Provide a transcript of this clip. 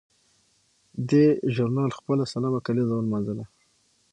دې ژورنال خپله سلمه کالیزه ولمانځله.